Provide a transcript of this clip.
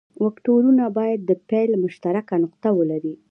وکتورونه باید د پیل مشترکه نقطه ولري.